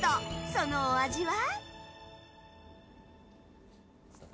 そのお味は。